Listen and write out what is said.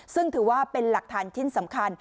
ซึ่งถือว่าเป็นหลักฐานชิ้นสำคัญ